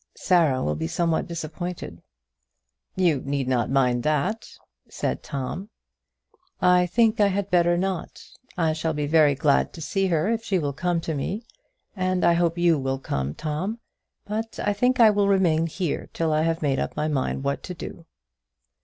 "Sarah will be somewhat disappointed." "You need not mind that," said Tom. "I think I had better not. I shall be very glad to see her if she will come to me; and I hope you will come, Tom; but I think I will remain here till I have made up my mind what to do."